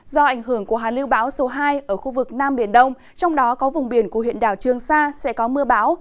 do ảnh hưởng của hà lưu bão số hai ở khu vực nam biển đông trong đó có vùng biển của huyện đảo trường sa sẽ có mưa bão